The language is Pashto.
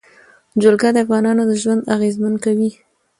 جلګه د افغانانو ژوند اغېزمن کوي.